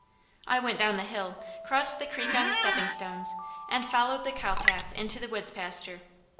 I went down the hill, crossed the creek on the stepping stones, and followed the cowpath into the woods pasture.